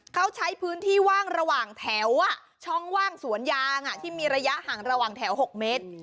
เขาใช้พื้นที่ว่างระหว่างแถวช่องว่างสวนยางที่มีระยะห่างระหว่างแถว๖เมตร